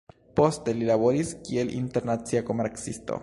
Poste li laboris kiel internacia komercisto.